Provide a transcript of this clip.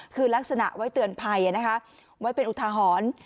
คือลักษณะไว้เตือนภัยนะคะไว้เป็นอุทาหรณ์